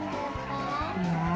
terus paling lebar